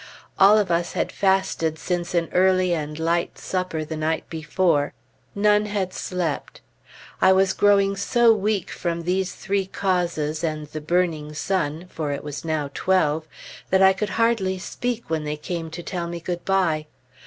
All of us had fasted since an early and light supper the night before; none had slept. I was growing so weak from these three causes, and the burning sun (for it was now twelve), that I could hardly speak when they came to tell me good bye.